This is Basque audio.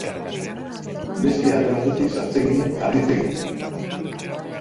Beste ate batetik sartzen ginen arditegian.